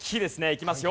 いきますよ